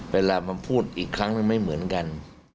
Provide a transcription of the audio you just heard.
เวลามันพูดอีกครั้งมันไม่เหมือนกัน